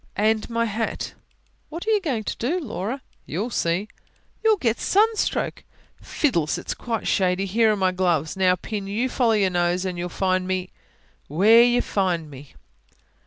"And my hat." "What are you going to do, Laura?" "You'll see." "You'll get sunstroke!" "Fiddles! it's quite shady. Here're my gloves. Now, Pin, you follow your nose and you'll find me WHERE you find me!"